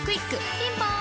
ピンポーン